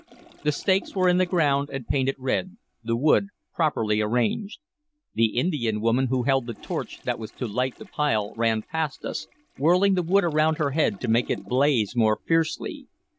The stakes were in the ground and painted red, the wood properly arranged. The Indian woman who held the torch that was to light the pile ran past us, whirling the wood around her head to make it blaze more fiercely.